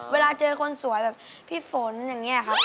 เวลาเจอคนสวยแบบพี่ฝนอย่างนี้ครับ